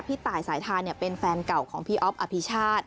ตายสายทานเป็นแฟนเก่าของพี่อ๊อฟอภิชาติ